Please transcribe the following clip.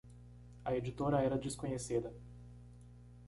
A editora era desconhecida.